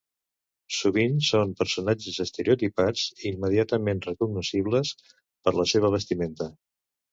Sovint són personatges estereotipats, immediatament recognoscibles per la seva vestimenta.